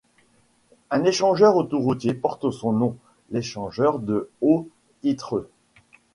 Un échangeur autoroutier porte son nom, l'échangeur de Haut-Ittre.